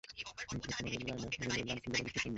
মিরপুরে কোন railway line বা রেলস্টেশন নাই।